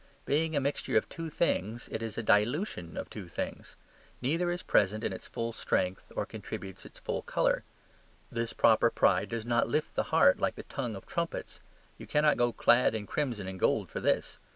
Being a mixture of two things, it is a dilution of two things; neither is present in its full strength or contributes its full colour. This proper pride does not lift the heart like the tongue of trumpets; you cannot go clad in crimson and gold for this.